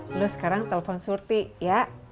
terus sekarang telepon surti ya